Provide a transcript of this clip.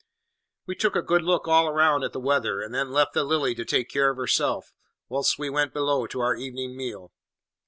We took a good look all round at the weather, and then left the Lily to take care of herself, whilst we went below to our evening meal.